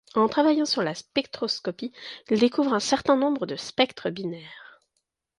En travaillant sur la spectroscopie, il découvre un certain nombre de spectres binaires.